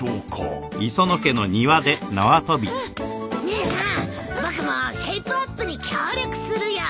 姉さん僕もシェイプアップに協力するよ。